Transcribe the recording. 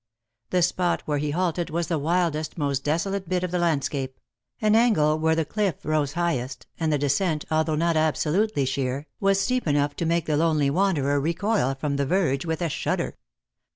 The spot where he halted was the wildest, most desolate bit of the landscape ; an angle where the cliff rose highest, and the descent, although not absolutely sheer, was steep enough to make the lonely wanderer recoil from the verge with a shudder.